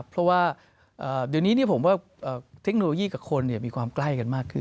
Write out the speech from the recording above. เพราะว่าเดี๋ยวนี้ผมว่าเทคโนโลยีกับคนมีความใกล้กันมากขึ้น